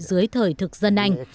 dưới thời thực dân anh